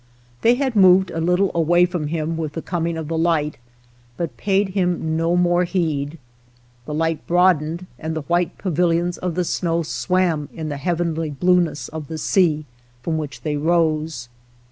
They had moved a little away from him with the coming of the light, but paid him no more heed. The light broadened and the white pavilions of the snow swam in the hea 76 THE POCKET HUNTER venly blueness of the sea from which they rose.